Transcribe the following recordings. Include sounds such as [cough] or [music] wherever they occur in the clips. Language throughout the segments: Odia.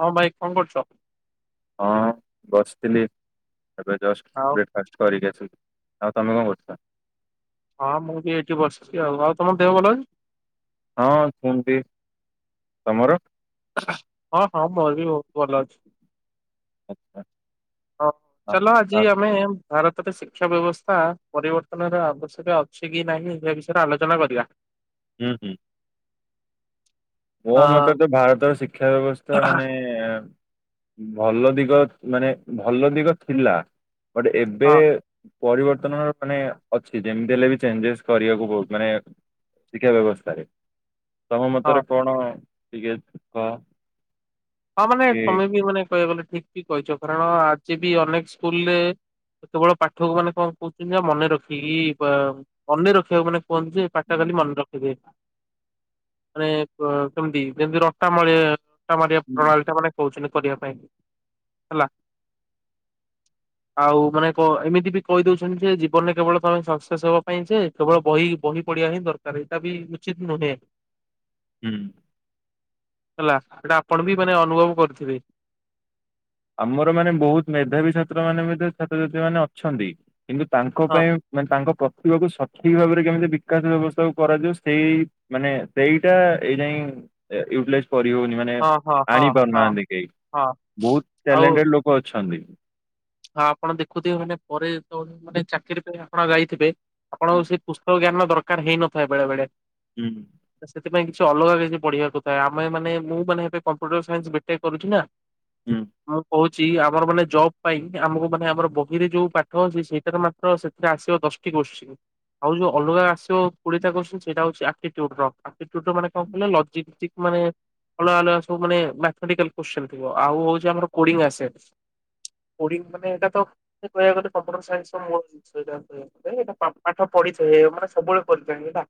କଣ ପାଇଁ ଫୋନ କରୁଚ? ହଁ ବସିଥିଲି ଏବେ ଜଷ୍ଟ ଆଉ ବ୍ରେକଫାଷ୍ଟ କରିକି ଆସିଲି। ଆଉ ତମେ କଣ କରୁଛ? ହଁ ମୁଁ ବି ଏଇଠି ବସିଚି ଆଉ ଆଉ ତମ ଦେହ ଭଲ ଅଛି? ହଁ ସେମିତି ତମର? ହଁ ହଁ ମୋର ବି ବହୁତ ଭଲ ଅଛି। ଆଚ୍ଛା। ହଁ ଆ- ଚାଲ ଆଜି ଆ- ଆମେ। ଭାରତରେ ଶିକ୍ଷା ବ୍ୟବସ୍ଥା ପରିବର୍ତ୍ତନର ଆବଶ୍ୟକ ଅଛି କି ନାହିଁ ଏ ବିଷୟରେ ଆଲୋଚନା କରିବା। ହୁଁ ହୁଁ। ମୋ ଅ ମତରେ ତ ଭାରତର ଶିକ୍ଷା ବ୍ୟବସ୍ଥା ମାନେ ଉଁ। ଭଲ ଦିଗ ମାନେ ଭଲ ଦିଗ ଥିଲା ବଟ ଏବେ। ହଁ ପରିବର୍ତ୍ତନ ମାନେ ଅଛି ଯେମିତି ହେଲେ ବି ଚେଞ୍ଜେସ୍ କରିବାକୁ ବହୁ ମାନେ। ଶିକ୍ଷା ବ୍ୟବସ୍ଥାରେ ତମ ହଁ ମତର ଟିକେ କ ହଁ ମାନେ ତମେ ବି ମାନେ କହିବାକୁ ଗଲେ, ଠିକ ବି କହିଛ କାରଣ ଆଜି ବି ଅନେକ ସ୍କୁଲରେ କେବଳ ପାଠକୁ ମାନେ କଣ କହୁଛନ୍ତି, ନା ମନେ ରଖିକି ମନେ ରଖିବାକୁ ମାନେ କୁହନ୍ତୁ ପାଠ କାଲି ମନେ ରଖିଦେ କେମିତି ଯେମିତି ରଟା ମ ରଟା ରୋନାଲଡ ମାନେ କହୁଛନ୍ତି କରିବା ପାଇଁ ହେଲା [inaudible] ଆଉ ମାନେ ଏମିତି ବି କହି ଦଉଛନ୍ତି, ଯେ ଜୀବନରେ କେବଳ ତମେ ସକ୍ସେସ୍ ହବା ପାଇଁ ଯେ କେବଳ ବହି ବହି ପଡିଆ ହିଁ ଦରକାର ଏଇଟା ବି ଉଚିତ ନୁହେଁ। ହୁଁ। ହେଲା ସେଟା ଆପଣ ବି ମାନେ ଅନୁଭବ କରୁଥିବେ? ଆମର ମାନେ ବହୁତ ମେଧାବୀ ଛାତ୍ର ମାନେ ଛାତ୍ରଛାତ୍ରୀ ମାନେ ଅଛନ୍ତି କିନ୍ତୁ ତାଙ୍କ ହଁ ପାଇଁ ମାନେ ତାଙ୍କ ପ୍ରତିଭକୁ ଠିକ ଭାବରେ କେମିତି ବିକାଶ ବ୍ୟବସ୍ଥା କୁ କରାଯାଉ ସେଇ ମାନେ ସେଇଟା ଏଇ ଯାଇୟ କରି ହଉନି ମାନେ ହଁ ହଁ ହଁ ଆଣି ହଁ ପାରୁନାହାନ୍ତି, କେହି ହଁ ବହୁତ ଟ୍ୟାଲେଣ୍ଟେଡ ଲୋକ ଅଛନ୍ତି। ହଁ ଆପଣ ଦେଖୁଥିବେ, ମାନେ ପରେ ମାନେ ଚାକିରି ଆପଣ ଗାଇଥିବେ ଆପଣଙ୍କୁ ସେ ପୁସ୍ତକ ଜ୍ଞାନ ଦରକାର ହେଇନଥାଏ ବେଳେ ବେଳେ ହୁଁ। ସେଥିପାଇଁ କିଛି ଅଲଗା କିଛି ପଢିବାକୁଥାଏ ଆମେ ମାନେ ମୁଁ ମାନେ ଏବେ କମ୍ପୁଟର ସନ୍ସ ବେଟେ କରୁଛି ନା ହୁଁ ମୁଁ କହୁଛି ଆମର ମାନେ ଜବ ପାଇଁ ଆମକୁ ମାନେ ଆମର ବହିରେ ଯୋଉ ପାଠ ଅଛି, ସେଇଟାର ମାତ୍ର ସେଥିରେ ଆସିବ ଦଶଟି କୋଶ୍ଚିନ୍ ଆଉ ଯୋଉ ଅଲଗା ଆସିବ କୋଡି କ ସେଇଟ ହଉଛି ମାନେ କଣ କହିଲ ମାନେ ଅଲଗଆ ଅଗା ସବୁ ମାନେଟିକାଲ କ ଥିବ ଆଉ ହଉ ଆମର କଡି ମାନେ ଏଇଟା ତ କହିବାକୁ ଗ କମ୍ପୁଟର ସନ୍ସ ର ମ ଜିନିଷଟାଟ ପାଠ ପଢିଏ ମାନେ ସବୁବେଳେ କରିଥାନ୍ତି ହେଲା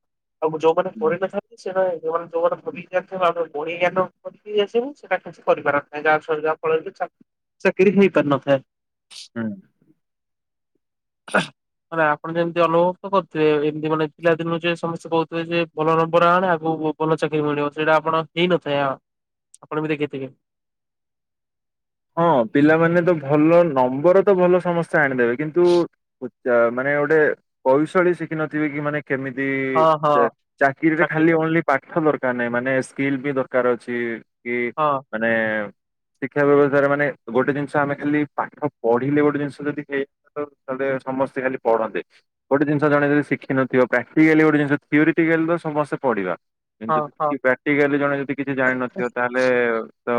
ଆଉ ଯୋଉମାନେ ହୁଁ। କରିନଥାନ୍ତି ସେମାନେ ଯମାନେ ଯୋଉମାନେ ବିକିଥିବ ବଢ ଜ୍ଞାନିକି, ଆସିବୁ ସେଇଟା କିଛି କରିପାର ନାହିଁ ଯାହା ସରିବା ଫଳରେ ବି ସକି ଖାଇଁ ପ ନ ଫ ହୁଁ। ମାନ ଆପଣ ଯେମିତି ଅନୁଭବ, ତ କରୁଥିବେ ଏମିତି ମାନେ ପିଲାଦିନୁ ଯେ ସମସ୍ତେ ସେ କହୁଥିଲେ ଯେ ଭଲ ନମ୍ବର ଆଣେ ଆଗ ଭଲ ଚାକିରରି ମିଳିବ ସେଇଟା ଆପଣ ହେଇନଥାଏ ଆ ଆପଣ ବି ଦେ କେତି କେ [inaudible] ହଁ ପିଲାମାନେ ତ ଭଲ ନମ୍ବର ତ ଭଲ ସମସ୍ତେ ଆଣିଦେବେ କିନ୍ତୁ ମାନେ ଗୋଟେ କୌଶଳୀ ଶିଖିିନଥିବେ କି ମାନେ କେମିତି ହଁ ହଁ ଚାକିରିରେ ଖାଲି ଚାକିରିଟା ଓନ୍ଲି ପାଠ ଦରକାର ମାନେ ସ୍କିଲ ବି ଦରକାର ଅଛି କି ହଁ ମାନେ ଶିକ୍ଷା ବ୍ୟବସସ୍ଥା ମାନେ ଗୋଟେ ଜିନିଷ ଆମେ ଖାଲି ପାଠ ପଢିଲେ, ଗୋଟେ ଜିନିଷ ଯଦି ସମସ୍ତେ ଖାଲି ପଢ ଗୋଟେ ଜିନିଷ ଜଣେ ଯଦି ଶିଖିନଥିବ ପ୍ରାଟୀକାଲି ଗୋଟେ ଜିନିଷ ଥିଓରୀଟିକାଲ ଗୋଟେ ଜିନିଷ ସମସ୍ତେ ପଢିବା ହଁ ଯ ହଁ ହଁ। କି ପ୍ରାକ୍ଟିକାଲି ଜଣେ ଯଦି କିଛି ଜାଣିନଥିବ ତାହେଲେ ତ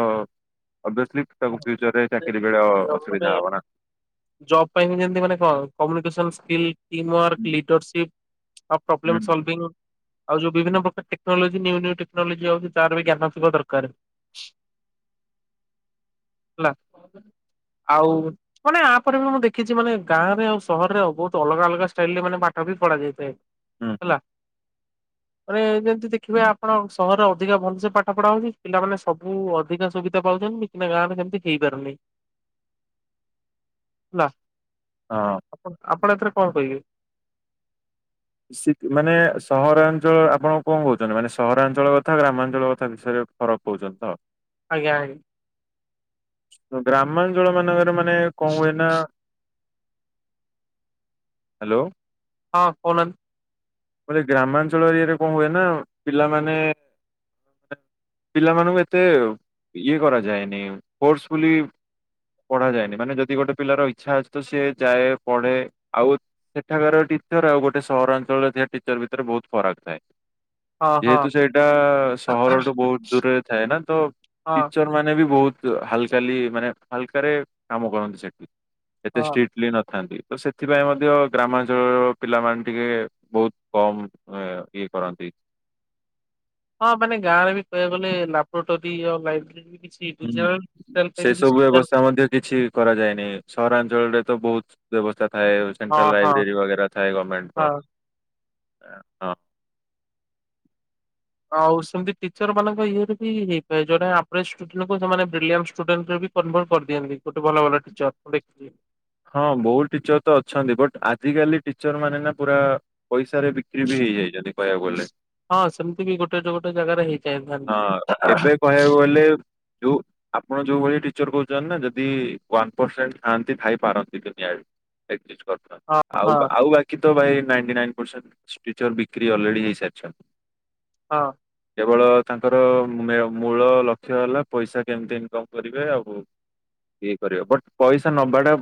ତା ଫୁଚର ରେ ମାନେ ଚାକିରରି ବେଳେ ଯେମିତି ମାନେ ଅସୁବିଧା ହବ ନା ଜବ୍ ପାଇଁ ବି ଯେମତି ମାନେ କଣ କମ୍ୟନିକ, ସ୍କିଲ, ଟିଏମ ହୁଁ ୱାର୍କ, ଲିଡରସିପ ଆଉ ହୁଁ। ପ୍ରୋବ୍ଲେମ୍ ସଲଭିଂ ଆଉ ଯୋଉ ବିଭିନ୍ନ ପ୍ରକାର ଟେକ୍ନୋଲୋଜି ନିୁୁ ଟେକ୍ନୋଲୋଜି ଅଉଛି, ତାର ବି ଜ୍ଞାନ ଥିବା ଦରକାର [inaudible] ହେଲା! ଆଉ ମାନେ ଆପରେ ବି ମୁଁ ଦେଖିଛି ମାନେ ଗାଁ ରେ ଆଉ ସହରରେ ଆଉ ବହୁତ ଅଲଗା ଅଲଗା ଷ୍ଟାଇଲ ରେ ମାନେ ପାଠ କଫ ପଡ଼ା [unintelligible] ହୁଁ ହୁଁ। ରେ ଯେମିତି ଦେଖିବେ ଆପଣ ସହରେ ଅଧିକା ଭଲ ସେ ପାଠ ପଢା ହଉଛି ପିଲମାନେ ସବୁ ଅଧିକା। ସୁବିଧା ପାଉଚନ୍ତି କିମ୍ବା ଗାଁ କେମତି ହେପାରୁନି ହେଲା। ହଁ। ଆପଣ ଆପଣ ଏଥିରେ କଣ କହିବେ? ସୀକ ମାନେ ସହରାଞ୍ଚଳ ଆପଣ କଣ କହୁଛନ୍ତି ମାନେ ସହରାଞ୍ଚଳ କଥା ଗ୍ରାମାଞ୍ଚଳ କଥା ବିଷୟରେ। ଫରକ କଉଛନ୍ତି ତ। ଆଜ୍ଞା ଆଜ୍ଞା। ଗ୍ରାମାଞ୍ଚଳ ମାନଙ୍କରେ ମାନେ କଁ ହୁଏ ନା? ହାଲୋ। ହଁ କହୁନାନ୍ତି। ବୋଇଲେ ଗ୍ରାମାଞ୍ଚଳ ଏରିଆରେ କଁ ହୁଏ ନା ପିଲାମାନେ। ପିଲାମାନଙ୍କୁ ଏତେ ଇଏ କରାଯାଏ ନି ଫୋର୍ସଫୁଲି। ପଢା ଯାଏନି ମାନେ ଯଦି ଗୋଟେ ପିଲାର ଇଚ୍ଛା ଅଛି ତ ସିଏ ଯାଏ ପଢେ ଆଉ ସେଠାକାର ଟିକେ। ଟିଚର ଆଉ ଗୋଟେ ସହରାଞ୍ଚଳ ରେ ଥିବା ଟିଚର ଭିତରେ ବହୁତ ଫରକ ଥାଏ। ହଁ ହଁ ଯେହେତୁ ସେଇଟା ସହର ଠୁ ବହୁତ ଦୂରରେ ଥାଏ ନା ତ। ହଁ ଟିଚର ମାନେ ବି ବହୁତ। ହାଲକାଲି ମାନେ ହାଲକାରେ କାମ କରନ୍ତି, ସେଠି ଏତେ ହଁ। ଷ୍ଟ୍ରିଟଲି ନଥାନ୍ତି। ତ ସେଥିପାଇଁ ମଧ୍ୟ ଗ୍ରାମାଞ୍ଚଳ ର ପିଲାମାନେ ଟିକେ ବହୁତ। କମ୍ ଏଁ ଇଏ କରନ୍ତି। ହଁ ମାନେ ଗାଁରେ ବି କହିବାକୁ ଗଲେ ଲାବରୋଟୋରି ଇଏ ଆଉ ଲାଇବ୍ରେରି ବି କି ହୁଁ ସେ ସବୁ ବ୍ୟବସ୍ଥା ମଧ୍ୟ କିଛି କରାଯାଏନି, ସହରାଞ୍ଚଳରେ ତ ବହୁତ। ବ୍ୟବସ୍ଥା ଥାଏ ସେଣ୍ଟ୍ରାଲ ହଁ ହଁ ଲାଇବ୍ରେରି ବଗେରା ଥାଏ ଗମେଣ୍ଟର। ହଁ ହଁ। ଆଉ ସେମିତି ଟିଚର ମାନଙ୍କ ଇଏରେ ବି ହେଇ ଥାଏ ଜଣେ ଅବରେଜ ସ୍ଟୁଡେଣ୍ଟ କୁ ସେମାନେ ବ୍ରିଲିଆଣ୍ଟ ସ୍ଟୁଡେଣ୍ଟ ରେ ବି। କନଭଟ କରି ଦିଅନ୍ତି ଗୋଟେ ଭଲ ଭଲ ଟିଚର ମୁ ଦେଖିଚି। ହଁ ବହୁତ ଟିଚର ତ ଅଛନ୍ତି, ବଟ୍ ଆଜିକାଲି ଟିଚର ମାନେ ନା ପୁରା ପଇସାରେ ବିକ୍ରି ବି ହେଇ। ଇ ଯାଇଛନ୍ତି କହିବାକୁ ଗଲେ। ହଁ ସେମିତି ବି ଗୋଟେ ଟେ ଗୋଟେ ଜାଗାରେ ହେଇ ଥାଏ ହଁ ଏବେ ଥାନ୍ତି। କହିବାକୁ ଗଲେ ଯୋଉ। ଆପଣ ଯୋଉ ଭଳି ଟିଚର କହୁଛନ୍ତି, ନା ଯଦି ୱାନ ପରସେଣ୍ଟ ଥାଆନ୍ତି ଥାଇପାରନ୍ତି ଦୁନିଆରେ। ହଁ ଆଉ ହଁ ଆଉ ବାକି। ତ ଭାଇ ନାଇଣ୍ଟି ନାଇନ ପରସେଣ୍ଟ ଟିଚର ବିକ୍ରି ଅଲରେଡି ହେଇସାରିଛନ୍ତି। ହଁ। କେବଳ ତାଙ୍କର ମେ ମୂଳ ଲକ୍ଷ୍ୟ ହେଲା ପଇସା କେମିତି ଇନକମ କରିବେ ଆଉ। ଇଏ କରିବେ ବଟ ପଇସା ନବାଟା।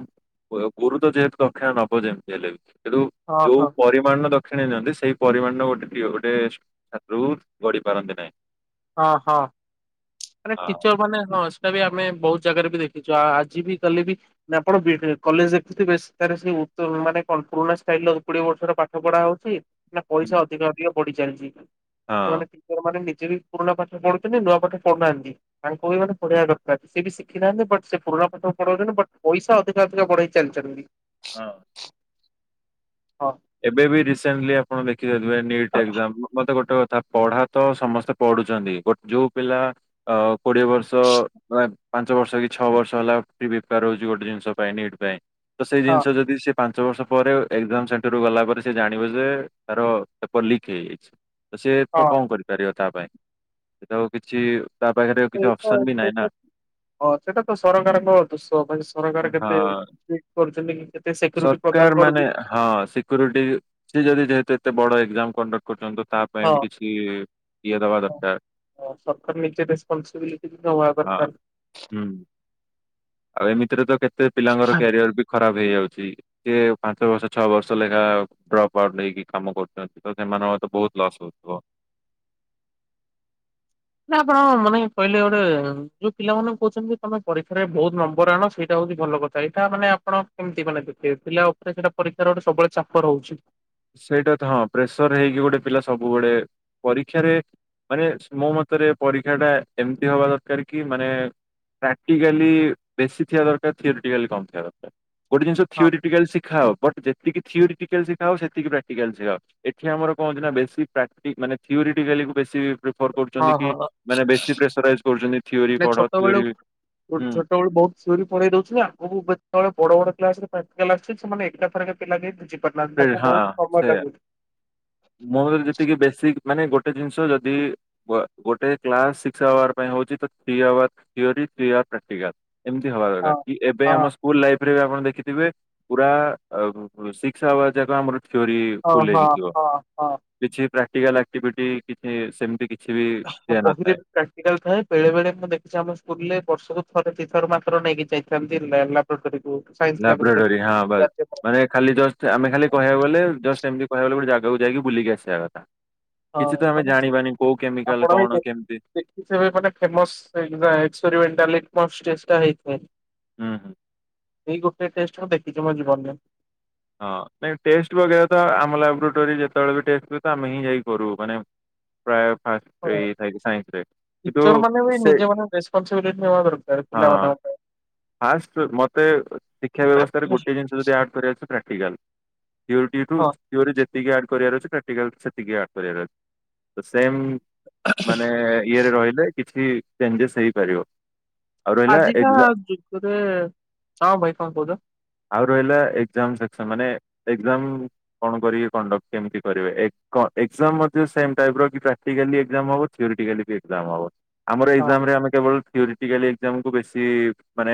ଗୁରୁ ତ ଯେହେତୁ ଦକ୍ଷୀଣା ନବ ଯେମତୀ ହେଲେ ବି କିନ୍ତୁ ହଁ ଯୋଉ ହଁ ପରିମାଣର ଦ କ୍ଷିଣା ନିଅନ୍ତି ସେଇ ପରିମାଣ ର ଗୋଟେ ପି ଗୋଟେ ଛାତ୍ର ଗଢି ପାରନ୍ତି ନାହିଁ। ଅ ହ ମାନେ ହଁ ଟିଚର ମାନେ ହଁ। ଟା ବି ଆମେ ବହୁତ ଜାଗାରେ ବି ଦେଖିଛୁ ଆ ଆଜି ବି କାଲି ବି ମାନେ ଆପଣ ବି ବି କଲେଜ ଦେଖୁଥିବେ ସେ ତା ରେ। କୁତୁ ମାନେ କଣ ପୁରୁଣା ଷ୍ଟାଇଲ କୋଡିଏ ବର୍ଷର ପାଠ ପଢା ହଉଛି। ପଇସା ଅଧିକା ଅଧିକ ବଢି ଚାଲିଛି ହଁ। ସେମାନେ ଟିଚର ମାନେ ନିଜେ ବି ପୁରୁଣା ପାଠ ପଢୁଛନ୍ତି ନୂଆ ପାଠ। ପଢୁନାହାନ୍ତି ତାଙ୍କୁ ବି ମାନେ ପଢିବା ଦର କାର ସେ ବି ଶିଖି ନାହାନ୍ତି ବଟ ସେ ପରୁଣା ପାଠ କୁ ପଢଉଛନ୍ତି ବଟ ପଇସା ଅଧିକା। ଅଧିକ ବଢେଇ ଚାଲିଛନ୍ତି। ହଁ। ହଁ ଏବେ ବି ରିସେଣ୍ଟଲି ଆପଣ ଦେଖିତଥିବେ ନୀଟ ଏକଜାମ ମତେ ଗୋଟେ କଥା। ଥା ପଢା ତ ସମସ୍ତେ ପଢୁଛନ୍ତି ଗୋଟେ ଯୋଉ ପିଲା କୋଡିଏ ବର୍ଷ। ପାଞ୍ଚ ବର୍ଷ କି ଛଅ ବର୍ଷ ହେଲା ପ୍ରି ପ୍ରିପାର ହଉଚି ଗୋଟେ ଜିନିଷ ପାଇଁ ନିଟ୍ ପାଇଁ ତ ସେଇ ହଁ ଜିନିଷ ଯଦି ସେ ପାଞ୍ଚ ବର୍ଷ ପରେ ଏକଜାମ ସେଣ୍ଟର ରୁ ଗଲା ପରେ ସେ ଜାଣିବ ଯେ ତାର ପେପର ଲିକ୍ ହେଇଯାଇଛି। ତ ସିଏ ତ ହଁ କଁ କରିପାରିବ ତା ପାଇଁ ସେଏ ତ ଆଉ କିଛି। ତା ପାଖରେ ଆଉ କିଛି କାଇଁ ଏ ତ ଅପସନ ବି ସେ ନାହିଁ ନା ତ। ହଁ ସେଟା ତ ସରକାରଙ୍କ ଦୁଷ ମାନେ ସରକାର କେତେ ହଁ ଇଏ କରୁଛନ୍ତି କି। କେତେ ସେକ୍ୟୁରିଟି ପ୍ରଦାନ ସରକାର ମାନେ କରୁଛନ୍ତି ହଁ ସିକ୍ୟୁରିଟି ସେ ଯଦି ଯେହେତୁ ଏ ଏତେ ବଡ ଏକ୍ଜାମ କଣ୍ଡକ୍ଟ କରୁଛନ୍ତି ତା ପାଇଁ ବି କିଛି ଇଏ ଦବା ହଁ। ଦରକାର। ସରକାର ନିଜେ ରେସ୍ପୋନ୍ସିବିଲିଟି ନବା ହଁ ଦରକାର। ହୁଁ ଆଉ ଏମିତିରେ ତ କେତେ ପିଲାଙ୍କର କ୍ୟାରିଅର ବି ଖରାପ ହେଇଯାଉଛି କିଏ ପାଞ୍ଚ ବର୍ଷ ଛଅ ବର୍ଷ ଲେଖା ଡ୍ରପ ଆଉଟ୍ ନେଇକି କାମ କରୁଛନ୍ତି ତ ସେମାନଙ୍କର ବହୁତ ଲସ୍ ହଉଥିବ। [inaudible] ନା ଆପଣ ମାନେ କହିଲେ ଗୋଟେ ଯୋଉ ପିଲାମାନେ କହୁଛନ୍ତି ତମେ ପରୀକ୍ଷାରେ ବହୁତ ନମ୍ବର ଆଣ ସେଇଟା ହଉଚି ଭଲ କଥା ଏଇଟା ମାନେ ଆପଣ କେମିତି ମାନେ ଦେଖିବେ ପିଲା ଉପରେ ସେଇଟା ପରୀକ୍ଷାର ଗୋଟେ ସବୁବେଳେ ଚାପ ରହୁଛି। ସେଇଟା ତ ହଁ ପ୍ରେସର ହେଇକି ଗୋଟେ ପିଲା ସବୁବେଳେ ପରୀକ୍ଷାରେ। ମାନେ ମୋ ମତରେ ପରୀକ୍ଷା ଟା ଏମିତି ହବା ଦରକାର କି ମାନେ। ପ୍ରାକ୍ଟିକାଲି ବେଶୀ ଥିବା ଦରକାର ଥିଓରିଟିକାଲି କମ ଥିବା ଦରକାର। ଗୋଟେ ଜିନଷ ହଁ ଥିଓରିଟିକାଲି ଶିଖାଅ ବଟ ଯେତିକି ଥିଓରିଟିକାଲ ଶିଖାଅ ସେ ତିକି ପ୍ରାକ୍ଟିକାଲ ଶିଖାଅ ଏଥିରେ ଆମର କଣ ହଉଚି ନା ବେଶୀ ପ୍ରାକ୍ଟି ମାନେ ଥିଓରିଟିକାଲି କୁ ବେଶୀ। ପ୍ରିଫର୍ ହଁ କରୁଛନ୍ତି କି ହଁ। ମାନେ ବେଶୀ ପ୍ରେସରାଇଜ କରୁଛନ୍ତି ଥିଓରୀ ପଢ ଥିଓରୀ। ଓ ଛୋଟବେଳୁ ବହୁତ ଥିଓରି ପଢେଇ ଦଉଥିବେ ଆଗକୁ ଯେତେବେଳେ ବଡ ବଡ କ୍ଲାସ ରେ। ପ୍ରାକ୍ଟିକାଲ ଆସୁଚି ସେମାନେ ଏକଥରେକେ ପିଲା କେହି ବୁଝି ପାରୁନାହାନ୍ତି ତାଙ୍କୁ ବହୁ ସମୟ ଲାଗୁଛି। ମୋର ଯେତିକି ବେଶୀକ ମାନେ ଗୋଟେ ଜିନିଷ ଯଦି। ଗୋ-ଗୋଟେ କ୍ଲାସ ସିକ୍ସ ଆୱାର ପାଇଁ ହଉଛି ତ three hour theory three hour practical. ଏମିତି ହବା ହଁ ଦରକାର କି ଏବେ ହଁ ଆମ ସ୍କୁଲ ଲାଇଫ ରେ ବି ଆପଣ ଦେଖିଥିବେ ପୁରା ଅ ସି ସିକ୍ସ ଆୱାର୍ ଯାକ ଆମର ହଁ ଫୁଲ ହେଇକି ହଁ ଥିବ ହଁ ହଁ। କିଛି ପ୍ରା ପ୍ରାକ୍ଟିକାଲ ଆକ୍ଟିଭିଟି କିଛି ସେମିତି କି ହ ବହିରେ ବି ପ୍ରାକ୍ଟିକାଲ ଥାଏ ବେଳେ ବେଳେ ମୁଁ ଦେଖିଛି ଆମ ସ୍କୁଲ ରେ ବର୍ଷ କୁ ଥ ଦି ଥର ମାତ୍ର ନେଇକି ଯାଇଥାନ୍ତି ଲା-ଲାବ୍ରୋଟୋରି। ଲାବ୍ରୋଟୋରି ହଁ ବାସ୍ ମାନେ ଖାଲି ଜଷ୍ଟ ଆମେ ଖାଲି କହିବାକୁ ଗଲେ ଜଷ୍ଟ ଏମିତି କହିବାକୁ ଗଲେ ଗୋଟେ ଜା ଜାଗାକୁ ଯାଇକି ବୁଲିକି ଆସିବା କଥା କିଛି ତ ହଁ ଆମେ ମାନେ ସେ ଜାଣିବାନି କୋଉ କେମିକାଲ ଆପଣ ବି କଣ କେମିତି ଦେଖ ଦେଖିଥିବେ ମାନେ ଫେମସ ସେଇ ଟା ଏକ୍ସପେରିମେଣ୍ଟ ଟା ଲିଟମସ ଟେ ଟା ହେଇଥାଏ ହୁଁ ହୁଁ ସେଇ ଗୋଟେ ଟେଷ୍ଟ ମୁଁ ଦେଖିଛି ମୋ ଜୀବନରେ। ହଁ ନାଇଁ ଟେଷ୍ଟ ବଗେରା ତ ଆମ ଲାବରେଟୋରୀ ଯେତେବେଳେ ବି ଟେଷ୍ଟ ହୁଏ ତ ଆମେ ହିଁ ଯାଇ କରୁ ମାନେ। ପ୍ରାୟ। ଫାର୍ଷ୍ଟ ରେ ହଁ ଇ ଥାଏ କି ସାଇନ୍ସ ରେ କିନ୍ତୁ ଟିଚର ମାନେ ବି ସେ ନିଜେ ମାନେ ରେସପନସିବିଲିଟି ନେବା ଦରକାର ହଁ। ପିଲାମାନଙ୍କ ପାଇଁ। ଫାର୍ଷ୍ଟ ମତେ ଶିକ୍ଷା ବ୍ୟବସ୍ଥାରେ ଗୋଟେ ଜିନିଷ ଯଦି ଆଡ କରିବାର ଅଛି ପ୍ରାକ୍ଟିକାଲ। ଥିଓଟି ଠୁ ହଁ ଥିଓରୀ ଯେତିକି ଆଡ୍ କରିବାର ଅଛି। ପ୍ରାକ୍ଟିକାଲ ସେତିକି ଆଡ କରିବାର ତ ସେମ ମାନେ ଇଏରେ ରହିଲେ। କିଛି ଚେଞ୍ଜେସ୍ ହେଇପାରିବ। ଆଉ ରହିଲା ଆଜିକା ଏକ୍ସା ଯୁଗରେ ହଁ ଭାଇ କଣ କହୁଛ? ଆଉ ରହିଲା ଏକ୍ଜାମ୍ ସ ସେମାନେ ଏକ୍ଜାମ୍ କଣ କରିବେ କଣ୍ଡକ୍ଟ କେମିତି କରିବେ ଏକ କ ଏକ୍ଜାମ୍ ମଧ୍ୟ ସେମ ଟାଇପ ପର କି ପ୍ରାକ୍ଟିକାଲି ଏକ୍ଜାମ୍ ହବ ଥିଓରିଟୀକାଲି ବି ଏକ୍ଜାମ୍ ହବ ଆମର ହଁ ଏକ୍ଜାମ୍ ରେ ଆମେ କେବଳ। ଥିଓରିଟୀକାଲି ଏକ୍ଜାମ୍ କୁ ବେଶୀ ମାନେ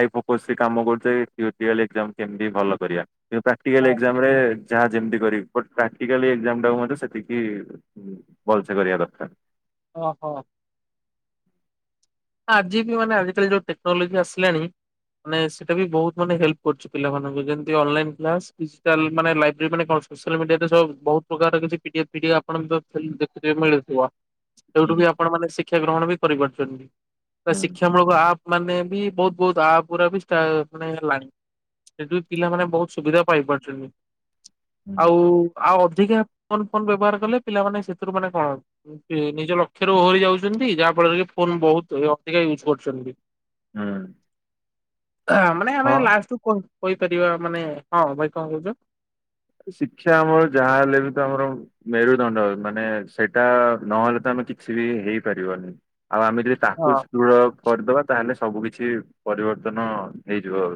ଆଇ ଫୋକସ କାମ କରୁଚେ ଥିଓରିଟୀକାଲି ଏକ୍ଜାମ୍ କେମିତି ଭଲ କରିବା କିନ୍ତୁ ପ୍ରାକ୍ଟିକାଲ ହଁ ଏକ୍ଜାମ ରେ। ଯାହା ଯେମିତି କରି ବଟ ପ୍ରାକ୍ଟିକାଲ ଏକ୍ଜାମ୍ ଟାକୁ ମଧ୍ୟ ସେତିକି ଉଁ ଭଲସେ କରିବା ଦରକାର। ଓ ହୋ। ଆଜି ବି ମାନେ ଆଜିିକାଲି ଯୋଉ ଟେକ୍ନୋଲୋଜି ଆସିଲାଣି। ମାନେ ସେଇଟା ବି ବହୁତ ମାନେ ହେଲ୍ପ କରୁଛି ପିଲମାନଙ୍କୁ ଯେମିତି ଅନଲାଇନ୍ କ୍ଲାସ୍ ଡିଜିଟାଲ ମାନେ ଲାଇବ୍ରେରି ମାନେ କଣ। ସୋସିଆଲ ମିଡିଆରେ ସବୁ ବହୁତ ପ୍ରକାର କିଛିିି P D F P D F ଆପଣ ବି ତ ଥିଲ ଦେଖୁଥିବେ ମିଳୁଥିବ। ସେଉଠୁ ବି ହୁଁ ଆପଣ ମାନେ ଶିକ୍ଷା ଗ୍ରହଣ ବି କରିପାରୁଛନ୍ତି ଆ ହୁଁ ଶିକ୍ଷା ମୂଳକ ଆପ ମାନେ ବି ବହୁତ ବହୁତ ଆପ ଗୁରା ବି ଷ୍ଟା ମାନେ ହେଲାଣି। ସେଠି ବି ପିଲାମାନେ ବହୁତ ସୁବିଧା ପାଇପାରୁଛନ୍ତି ହୁଁ ଆଉ ଆଉ ଯିକା ଫୋନ ଫୋନ୍ ବ୍ୟବହାର କଲେ ପିଲାମାନୋନ ସେଥିରୁ ମାନେ କଣ ନିଜ ଲକ୍ଷ୍ୟରେ ଓହରି ଯାଉଛନ୍ତି ଯାହା ଫଳରେ ଫୋନ୍ ବହୁତ ଅଧିକ ୟୁଜ କରୁଛନ୍ତି ହୁଁ ମାନେ ଆମେ ହଁ ଲାଷ୍ଟ କୁ କହି କହିପାରିବା ମାନେ ହଁ ଭାଇ କଣ କହୁଚ? ଶିକ୍ଷା ଆମର ଯାହାହଲେ ବି ତ ଆମର ମେରୁଦଣ୍ଡ ମାନେ ସେଇଟା ନହେଲେ ତମ କିଛି ବି ହେଇପାରିବନି ଆଉ ଆମେ ଯଦି ହଁ ତାକୁ ଦୃଢ କରିଦବା ତାହେଲେ ସବୁ କିଛି ପରିବର୍ତ୍ତନ ହେଇଯିବ ଆଉ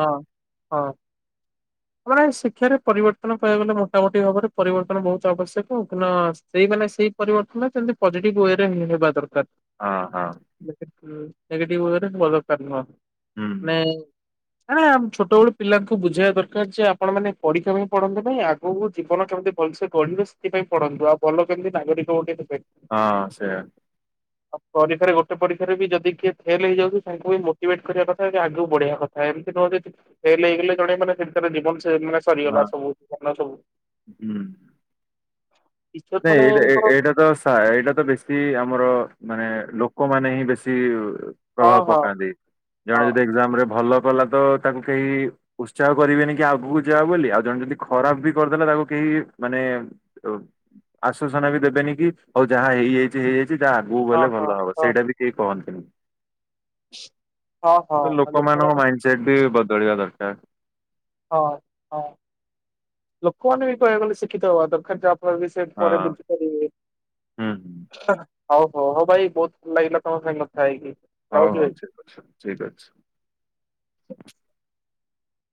ହଁ ହଁ [unintelligible] ଶିକ୍ଷାରେ ପରିବର୍ତ୍ତନ ପାଇବାକୁ ଗଲେ ମୋଟାମୋଟି ଭାବରେ ପରିବର୍ତ୍ତନ ବହୁତ ଆବଶ୍ୟକ [unintelligible] ସେଇ ପରିବର୍ତ୍ତନ ମତି ପଜିଟିଭ ୱ ରେ ହିଁ ହେବା ଦରକାର। ହଁ ହଁ। ନେଗେଟି ୱେ ରେ ହବା ଦରକାର ନୁହଁ ହୁଁ ନାଏ ନାମ ଛୋଟ ବଳୁ ପିଲାଙ୍କୁ ବୁଝେଇବା ଦରକାର ଯେ ଆପଣ ମାନେ ପରୀକ୍ଷା ପାଇଁ ପଢନ୍ତୁହିଁ ଆଗକୁ ଜୀବନ କେମିତି ଭଲ ସେ ଗଢିବେ ସେଥିାଇଁ ପଢନ୍ତୁ ଆଉ ଭଲ କେମିତି ନାଗରିକ ଗୋଟେ ହେଲେ। ହଁ ସେୟା। ଆଉ ପରୀକ୍ଷାରେ ଗୋଟେ ପରୀକ୍ଷାରେ ବି ଯଦି କିଏ ଫେଲ ହେଇଯାଉଛି ତାଙ୍କୁ ବି ମୋଟିଭେଟ କରିବା କଥା କି ଆଗକୁ ବଢେଇବା କଥା। ଏମିତି ନୁହଁନ୍ତି ହେ ହେଇଗଲେ ଜଣେ ମାନ ସେ ଜୀବନ ସେ ମାନେ ହଁ ସରିଗଲା ସବୁ ସବୁ ହୁଁ। ଟିଚର ନାଇଁ ଏଇଟା ଏ ମାନେଙ୍କର ଏଇଟା ତ ଏଇଟା ତ ବେଶୀ ଆମର ମାନେ ଲୋକମାନେ ହିଁ ବେଶୀ ହଁ ପ୍ରଭାବ ହଁ ପକାନ୍ତି ହଁ ଜଣେ ଯଦି ଏକ୍ଜାମ ରେ ଭଲ ଗଲା ତ ତାଙ୍କୁ କେହି ଉତ୍ସାହ କରିବେନି କି ଆଗକୁ ଯା ବୋଲି ଆଉ ଜଣେ ଯଦି ଖରାପ ବି କରିଦେଲା ତାକୁ କେହି ମାନେ ଆଶ୍ଵସନା ବି ଦେବେନି କି ହୋଉ ଯାହା ହେଇଯାଇଛି ହେଇଯାଇଛି ଯାହା ଆଗକୁ ଗଲେ ହଁ ଭଲ ହବ ହଁ ସେଇଟା ବି କେହି କହନ୍ତିନି। ହଁ ହଁ ହଁ ଲୋକମାନଙ୍କ ଲୋକମାନେ ମାଇଣ୍ଡ ସେଟ ବି ବଦଳିବା ଦରକାର। ହଁ ହଁ ଲୋକମାନେ ବି କହିବାକୁ ଗଲେ ଶିକ୍ଷିତ ହବା ଦରକାର ଯ ବି ସେ ହଁ ପରେ ବୁଝିପାରିବେ। ହୁଁ ହୁଁ ହଉ ହଉ ହଉ ଭାଇ ବହୁତ ଭଲ ଲାଗିଲା ତମ ସହ ନଥା ହେଇକି। ହଉ ରହୁଛି ହଉ ଭାଇ। ଠିକ ଅଛି ଠିକ ଅଛି।